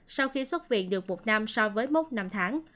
sau khi xuất viện được một năm so với mốc năm tháng